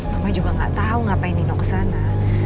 mama juga gak tau ngapain nino ke sana